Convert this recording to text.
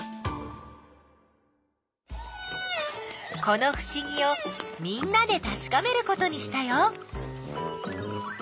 このふしぎをみんなでたしかめることにしたよ。